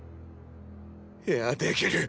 いやできる！